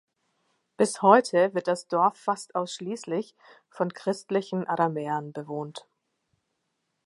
Bis heute wird das Dorf fast ausschließlich von christlichen Aramäern bewohnt.